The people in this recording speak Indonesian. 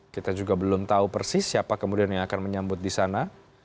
kita juga belum tahu persis siapa yang akan menyambut disana